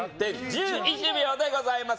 １１秒でございます。